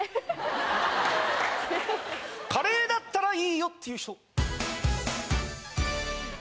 カレーだったらいいよって人。